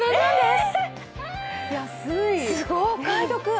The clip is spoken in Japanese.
すごい、お買い得。